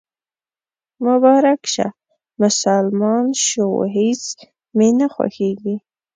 مبارک شه، مسلمان شوېهیڅ مې نه خوښیږي